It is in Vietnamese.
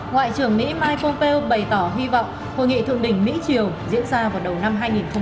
ngoại trưởng mỹ michael pell bày tỏ hy vọng hội nghị thượng đỉnh mỹ triều diễn ra vào đầu năm hai nghìn một mươi chín